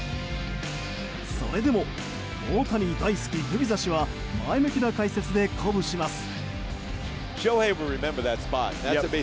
それでも、大谷大好きグビザ氏は前向きな解説で鼓舞します。